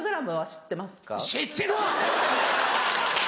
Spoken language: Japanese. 知ってるわ！